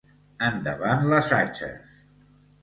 Endavant les atxes!